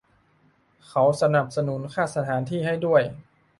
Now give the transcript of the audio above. เขาสนับสนุนค่าสถานที่ให้ด้วย